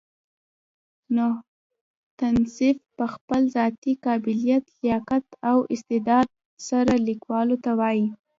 تصنیف په خپل ذاتي قابلیت، لیاقت او استعداد سره؛ ليکلو ته وايي.